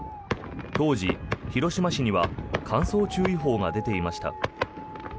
当時、広島市には乾燥注意報が出ていました。